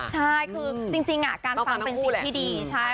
จริงการฟังเป็นสิทธิ์ที่ดี